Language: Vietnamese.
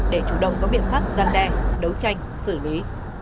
để chủ động có biện pháp gian đe đấu tranh xử lý